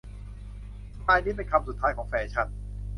สไตล์นี้เป็นคำสุดท้ายของแฟชั่น